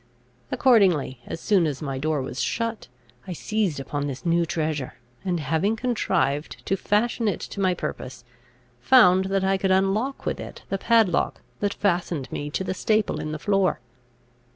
Accordingly, as soon as my door was shut, I seized upon this new treasure, and, having contrived to fashion it to my purpose, found that I could unlock with it the padlock that fastened me to the staple in the floor.